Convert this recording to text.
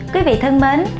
quý vị thân mến